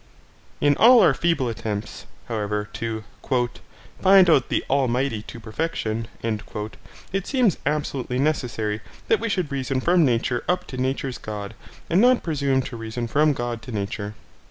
In all our feeble attempts, however, to 'find out the Almighty to perfection', it seems absolutely necessary that we should reason from nature up to nature's God and not presume to reason from God to nature.